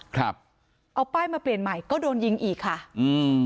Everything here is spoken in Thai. ครับเอาป้ายมาเปลี่ยนใหม่ก็โดนยิงอีกค่ะอืม